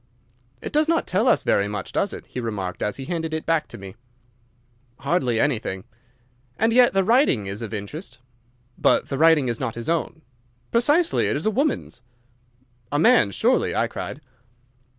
"It does not tell us very much, does it?" he remarked, as he handed it back to me. "Hardly anything." "And yet the writing is of interest." "But the writing is not his own." "Precisely. It is a woman's." "A man's surely," I cried.